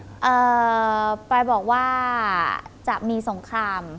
เอ่อปรายบอกว่าจะมีสงคราม